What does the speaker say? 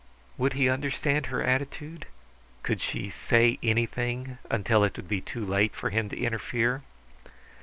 Would he understand her attitude? Could she say anything until it would be too late for him to interfere?